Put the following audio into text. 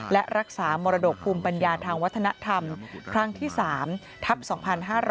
และรักษามรดกภูมิปัญญาทางวัฒนธรรมครั้งที่๓ทัพ๒๕๕๙